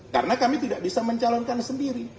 karena kami tidak bisa mencalonkan sendiri